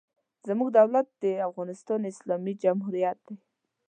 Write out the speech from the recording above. زموږ دولت د افغانستان اسلامي جمهوریت دی.